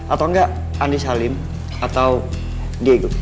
atau enggak andri salim atau diego